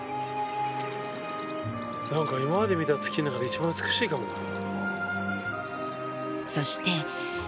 なんか今まで見た月の中で一番美しいかも。